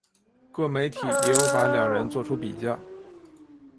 各媒体也有把两人作出比较。